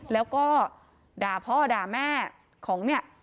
แล้วก็ด่าพ่อด่าแม่ของเนี่ย